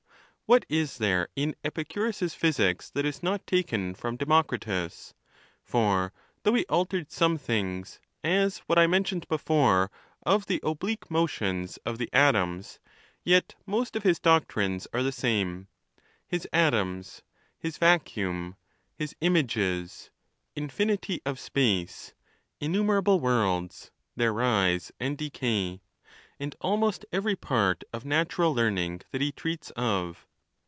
What is there in Epi curus's physics that is not taken from Deraocritus? For though he altei ed some things, as what I mentioned before of the oblique motions of the atoms, yet most of his doc trines are the same ; his atoms — his vacuimi — his images — infinity of space — innumerable worlds, their rise and de cay—and almost every part of natural learning that he treats of.